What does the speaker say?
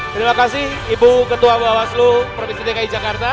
terima kasih ibu ketua bawaslu provinsi dki jakarta